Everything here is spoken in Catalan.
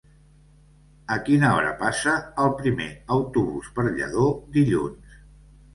A quina hora passa el primer autobús per Lladó dilluns?